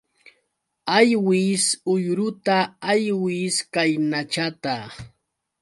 Aywis uyruta aywis kaynachata.